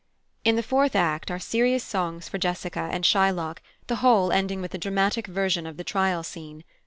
In the fourth act are serious songs for Jessica and Shylock, the whole ending with a dramatic version of the Trial scene.